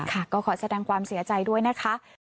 ค่ะก็ขอแสดงความเสียใจด้วยนะคะ